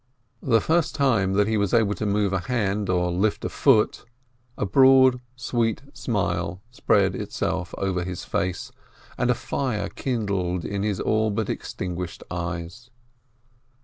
The first time that he was able to move a hand or lift a foot, a broad, sweet smile spread itself over his face, and a fire kindled in his all but extinguished eyes.